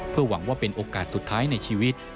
หวังว่าเป็นโอกาสสุดท้ายในชีวิต